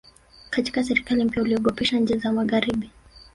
katika serikali mpya uliogopesha nchi za magharibi